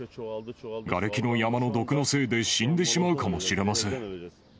がれきの山の毒のせいで死んでしまうかもしれません。